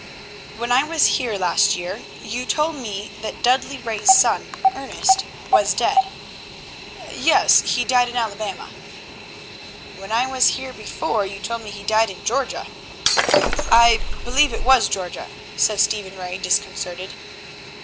"When I was here last year you told me that Dudley Ray's son, Ernest, was dead." "Yes, he died in Alabama." "When I was here before you told me he died in Georgia." "I believe it was Georgia," said Stephen Ray, disconcerted.